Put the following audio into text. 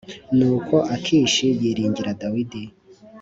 nuko akishi yiringira dawidi .